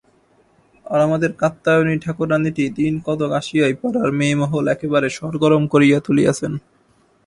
আর আমাদের কাত্যায়নী ঠাকুরানীটি দিন কতক আসিয়াই পাড়ার মেয়েমহল একেবারে সরগরম করিয়া তুলিয়াছেন।